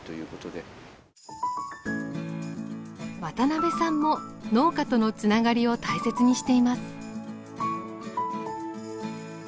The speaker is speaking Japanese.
渡邉さんも農家とのつながりを大切にしています。